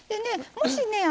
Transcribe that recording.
もしね